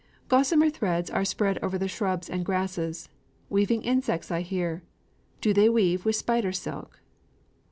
Gossamer threads are spread over the shrubs and grasses: Weaving insects I hear; do they weave with spider silk?